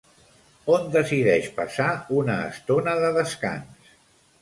On decideix passar una estona de descans?